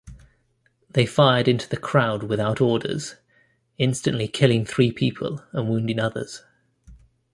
They fired into the crowd, without orders, instantly killing three people and wounding others.